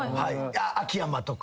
秋山とか。